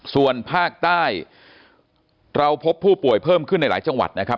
ส่วนภาคใต้เราพบผู้ป่วยเพิ่มขึ้นในหลายจังหวัดนะครับ